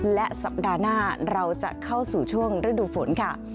และสัปดาห์หน้าเราจะเข้าสู่ช่วงฤดูฝนค่ะ